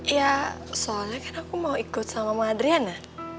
ya soalnya kan aku mau ikut sama mama adriana